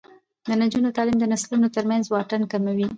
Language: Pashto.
د نجونو تعلیم د نسلونو ترمنځ واټن کموي.